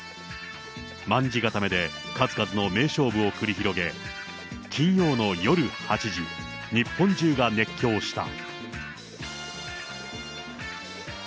まんじ固めで数々の名勝負を繰り広げ、金曜の夜８時、日本中が熱狂した。